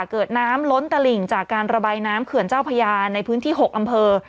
เกิดน้ำล้นตลิ่งจากการระบายน้ำเขื่อนเจ้าพญาในพื้นที่๖อำเภอ